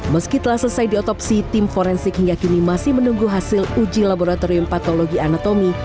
meski telah selesai diotopsi tim forensik hingga kini masih menunggu hasil uji laboratorium patologi anatomi